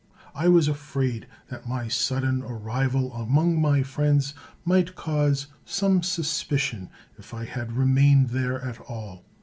I was afraid that my sudden arrival among my friends might cause some suspicion if I remained there at all.